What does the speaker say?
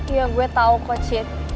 iya gue tau kok cid